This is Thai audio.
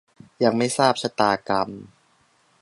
ยังไม่ทราบชะตากรรม